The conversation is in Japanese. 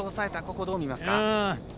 ここどう見ますか？